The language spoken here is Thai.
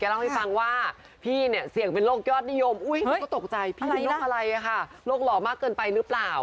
เลยก็ตกใจอะไรค่ะลกหล่อมากเกินไปรึเปล่า